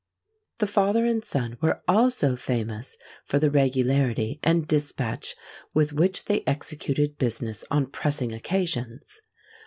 The father and son were also famous for the regularity and dispatch with which they executed business on pressing occasions.